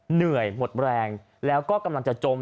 เหนื่อยหมดแรงแล้วก็กำลังจะจม